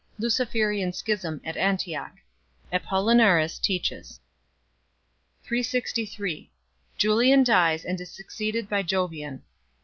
Luciferian schism at Antioch. Apollinaris teaches. 363 Julian dies and is succeeded by Jovian.